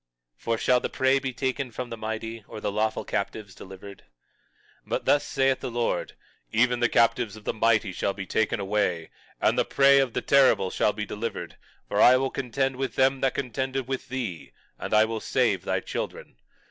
21:24 For shall the prey be taken from the mighty, or the lawful captives delivered? 21:25 But thus saith the Lord, even the captives of the mighty shall be taken away, and the prey of the terrible shall be delivered; for I will contend with him that contendeth with thee, and I will save thy children.